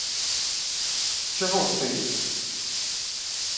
— Чого стоїш?